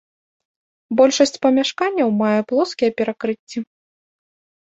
Большасць памяшканняў мае плоскія перакрыцці.